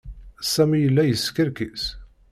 Sami yella yeskerkis.